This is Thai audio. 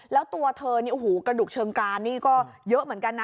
แล้วตัวเธอนี่โอ้โหกระดูกเชิงกรานนี่ก็เยอะเหมือนกันนะ